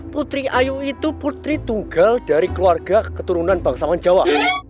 putri ayu itu putri tunggal dari keluarga keturunan bangsawan jawa